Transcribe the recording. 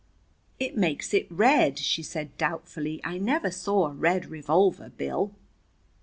"It makes it red," she said doubtfully. "I never saw a red revolver, Bill."